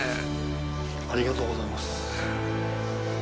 ありがとうございます。